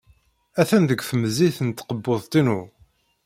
Atan deg temzit n tkebbuḍt-inu.